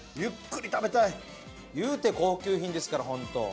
いうて高級品ですからほんと。